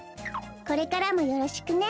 これからもよろしくね。